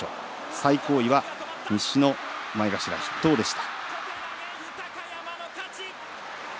最高位は西の前頭筆頭でした。